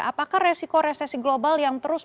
apakah resiko resesi global yang terus